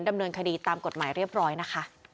ดำเนินคดีตามกฎหมายเรียบร้อยนะคะ